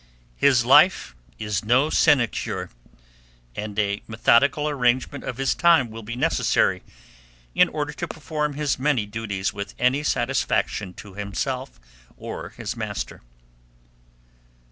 His life is no sinecure; and a methodical arrangement of his time will be necessary, in order to perform his many duties with any satisfaction to himself or his master.